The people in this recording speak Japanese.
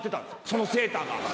そのセーターが。